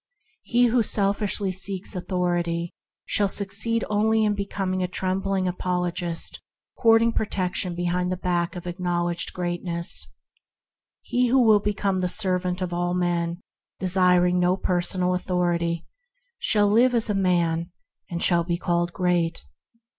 He who selfishly seeks authority shall suc ceed only in becoming a trembling apologist, courting protection behind the back of acknowledged greatness. He who will be come the servant of all men, desiring no personal authority, shall live as a man, and shall be called great.